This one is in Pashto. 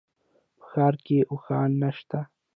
په ښار کي اوښان نشته